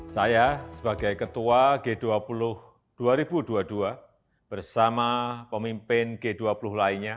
saya sebagai ketua g dua puluh dua ribu dua puluh dua bersama pemimpin g dua puluh lainnya